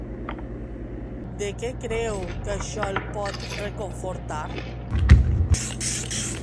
De què creu que això el pot reconfortar?